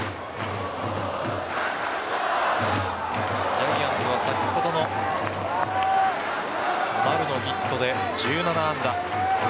ジャイアンツは先ほどの丸のヒットで１７安打。